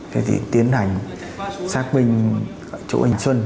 thế thì tiến hành xác binh chỗ anh xuân